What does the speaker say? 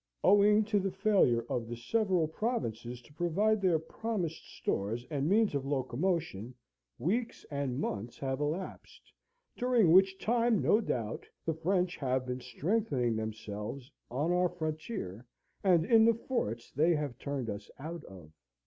Owing to the failure of the several provinces to provide their promised stores and means of locomotion, weeks and months have elapsed, during which time, no doubt, the French have been strengthening themselves on our frontier and in the forts they have turned us out of.